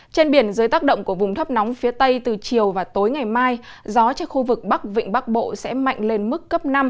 trên biển dưới tác động của vùng thấp nóng phía tây từ chiều và tối ngày mai gió trên khu vực bắc vịnh bắc bộ sẽ mạnh lên mức cấp năm